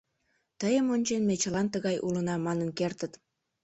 Тыйым ончен, ме чылан тыгай улына манын кертыт.